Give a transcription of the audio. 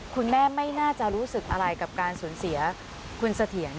คุณแม่ไม่น่าจะรู้สึกอะไรกับการสูญเสียคุณเสถียร